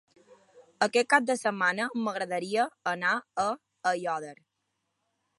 Aquest cap de setmana m'agradaria anar a Aiòder.